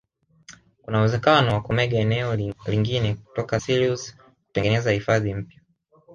kuna uwezekano wa kumega eneo lingine kutoka selous kutengeneza hifadhi mpya